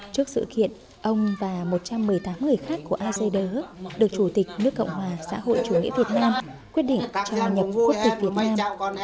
trước sự kiện ông và một trăm một mươi tám người khác của a dơi đỡ hước được chủ tịch nước cộng hòa xã hội chủ nghĩa việt nam quyết định cho nhập quốc tịch việt nam